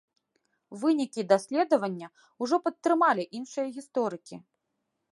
Вынікі даследавання ўжо падтрымалі іншыя гісторыкі.